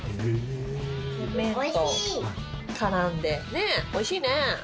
ねえ美味しいね。